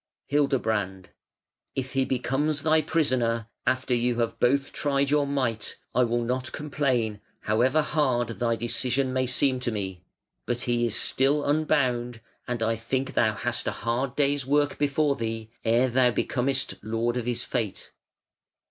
Hildebrand: "If he becomes thy prisoner, after you have both tried your might, I will not complain however hard thy decision may seem to me; but he is still unbound, and I think thou hast a hard day's work before thee, ere thou becomest lord of his fate".